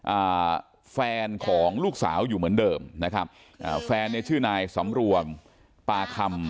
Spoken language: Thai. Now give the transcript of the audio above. อ่าแฟนของลูกสาวอยู่เหมือนเดิมนะครับอ่าแฟนเนี้ยชื่อนายสำรวมปาคำ